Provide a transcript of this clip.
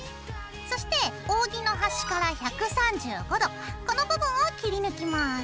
そして扇の端から１３５度この部分を切り抜きます。